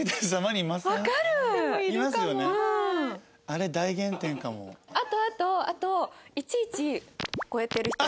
あとあとあといちいちこうやってやる人。